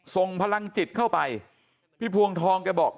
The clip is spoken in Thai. ส่งพลังจิตเข้าไปพี่พวงทองแกบอก